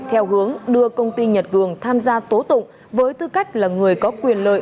theo hướng đưa công ty nhật cường tham gia tố tụng với tư cách là người có quyền lợi